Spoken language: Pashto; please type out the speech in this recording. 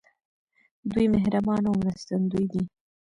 دوی مهربان او مرستندوی دي.